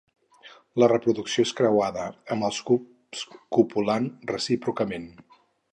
La reproducció és creuada, amb els cucs copulant recíprocament.